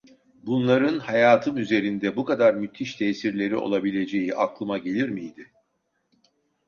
Bunların hayatım üzerinde bu kadar müthiş tesirleri olabileceği aklıma gelir miydi?